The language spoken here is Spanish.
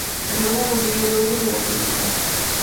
El álbum recibió elogios de la crítica.